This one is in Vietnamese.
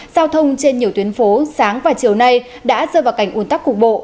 giao thông trên nhiều tuyến phố sáng và chiều nay đã rơi vào cảnh ủn tắc cục bộ